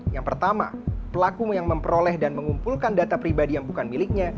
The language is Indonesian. yang pertama pelaku yang memperoleh dan mengumpulkan data pribadi yang bukan miliknya